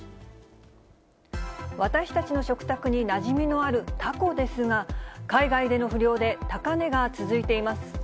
私たちの食卓になじみのあるタコですが、海外での不漁で高値が続いています。